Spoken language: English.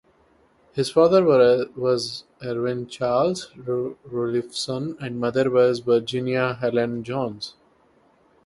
His father was Erwin Charles Rulifson and mother was Virginia Helen Johns.